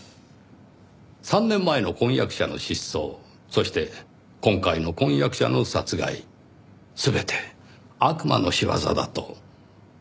３年前の婚約者の失踪そして今回の婚約者の殺害全て悪魔の仕業だと。